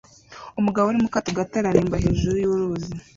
Umugabo uri mu kato gato areremba hejuru yuruzi